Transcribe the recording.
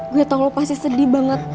gue tau lo pasti sedih banget